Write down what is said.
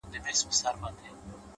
راوتلی تر اوو پوښو اغاز دی’